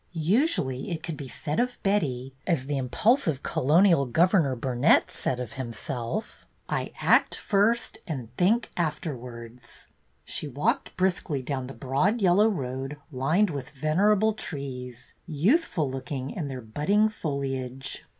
Usually it could be said of Betty, as the im pulsive colonial governor Burnet said of him self: "I act first and think afterwards." She walked briskly down the broad yellow road, lined with venerable trees, youthful looking in their budding foliage.